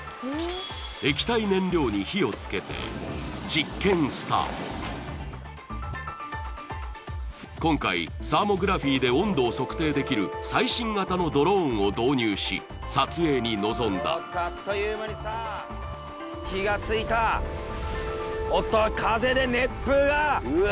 液体燃料に火をつけて今回サーモグラフィーで温度を測定できる最新型のドローンを導入し撮影に臨んだあっという間にさあ火がついたおっとうわ